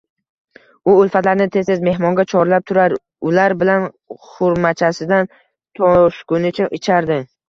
U ulfatlarini tez-tez mehmonga chorlab turar, ular bilan xurmachasidan toshgunicha ichardi